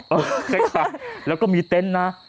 เออเส้นตักแล้วก็มีเต้นน้า